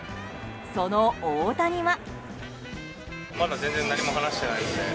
その大谷は。